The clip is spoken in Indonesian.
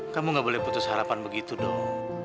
kamu gak boleh putus harapan begitu dong